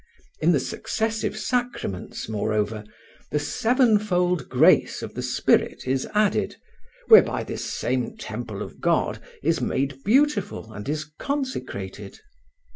In the successive sacraments, moreover, the seven fold grace of the Spirit is added, whereby this same temple of God is made beautiful and is consecrated.